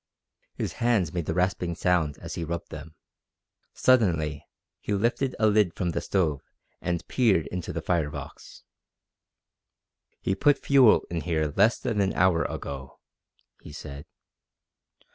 His hands made the rasping sound as he rubbed them. Suddenly he lifted a lid from the stove and peered into the fire box. "He put fuel in here less than an hour ago," he said.